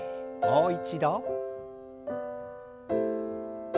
もう一度。